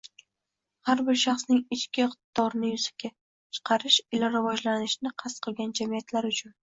har bir shaxsning ichki iqtidorini yuzaga chiqarish ila rivojlanishni qasd qilgan jamiyatlar uchun